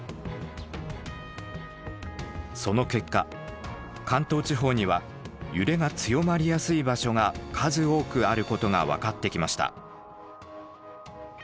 その結果関東地方には揺れが強まりやすい場所が数多くあることが分かってきました。